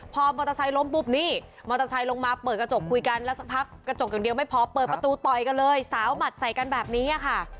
พอมอเตอร์ไซค์ล้มปุ๊บนี่มอเตอร์ไซค์ลงมาเปิดกระจกคุยกันแล้วสักพักกระจกอย่างเดียวไม่พอเปิดประตูต่อยกันเลยสาวหมัดใส่กันแบบนี้ค่ะ